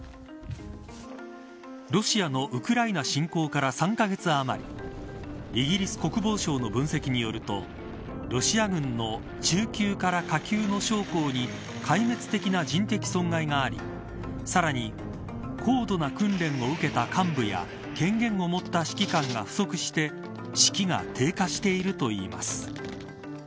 ロシアのウクライナ侵攻から３カ月あまりイギリス国防省の分析によるとロシア軍の中級から下級の将校に壊滅的な人的損害がありさらに高度な訓練を受けた幹部や権限を持った指揮官が不足して士気が低下しているといいます。